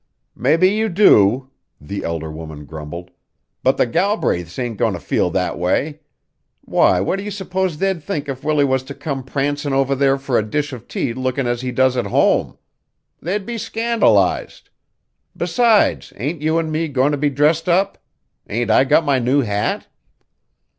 "Mebbe you do," the elder woman grumbled, "but the Galbraiths ain't goin' to feel that way. Why, what do you s'pose they'd think if Willie was to come prancin' over there for a dish of tea lookin' as he does at home? They'd be scandalized! Besides, ain't you an' me goin' to be dressed up? Ain't I got my new hat?"